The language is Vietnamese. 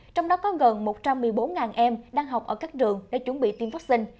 trong đó có gần một trăm một mươi bốn em đang học ở các trường để chuẩn bị tiêm vaccine